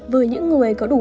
với những người có đủ